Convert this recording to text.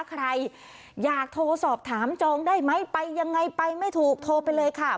ใครอยากโทรสอบถามจองได้ไหมไปยังไงไปไม่ถูกโทรไปเลยค่ะ